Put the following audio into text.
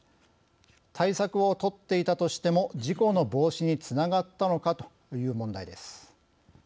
対策を取っていたとしても事故の防止につながったのかという問題です。